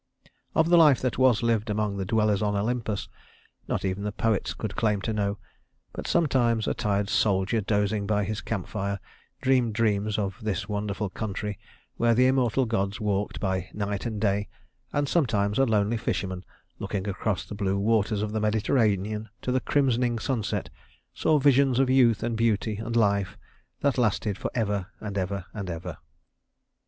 Of the life that was lived among the dwellers on Olympus, not even the poets could claim to know; but sometimes a tired soldier dozing by his camp fire dreamed dreams of this wonderful country where the immortal gods walked by night and day; and sometimes a lonely fisherman, looking across the blue waters of the Mediterranean to the crimsoning sunset, saw visions of youth and beauty and life that lasted for ever and ever and ever.